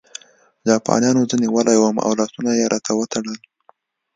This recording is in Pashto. جاپانیانو زه نیولی وم او لاسونه یې راته وتړل